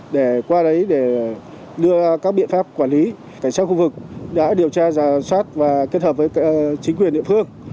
để qua đấy để đưa các biện pháp quản lý cảnh sát khu vực đã điều tra giả soát và kết hợp với chính quyền địa phương